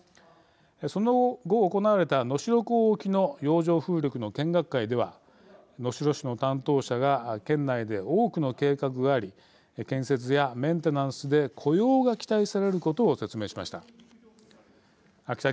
その後、行われた能代港沖の洋上風力の見学会では能代市の担当者が県内で多くの計画があり建設やメンテナンスで雇用が期待されることを説明しました。